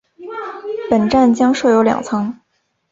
本站将设有两层。